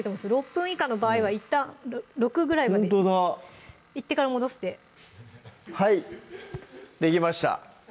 ６分以下の場合はいったん６ぐらいまでほんとだいってから戻してはいできました